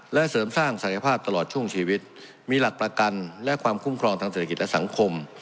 และเสริมสร้างศักยภาพตลอดช่วงชีวิตมีหลักประกันและความคุ้มครองทางเศรษฐกิจและสังคม